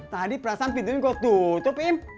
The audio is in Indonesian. tadi perasan pintunya gue tutup im